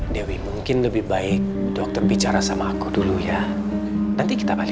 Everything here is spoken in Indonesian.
sampai jumpa di video selanjutnya